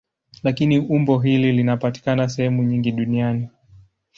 Lakini umbo hili linapatikana sehemu nyingi duniani.